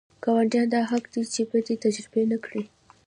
ګاونډیانو دا حق دی چې بدي تجربه نه کړي.